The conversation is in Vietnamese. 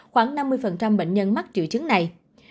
khoảng năm mươi bệnh nhân mắc triệu chứng này